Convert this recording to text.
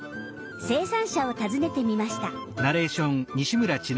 生産者を訪ねてみました。